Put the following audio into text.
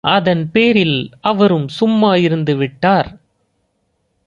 அதன்பேரில் அவரும் சும்மா இருந்துவிட்டார்.